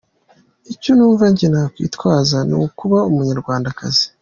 Icyo numva njye nakwitwaza ni ukuba Umunyarwandakazi.